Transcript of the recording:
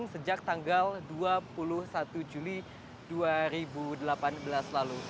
sejak tanggal dua puluh satu juli dua ribu delapan belas lalu